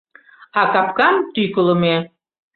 А капкам тӱкылымӧ.